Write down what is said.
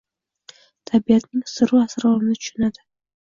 Tabiatning siru asrorini tushunadi.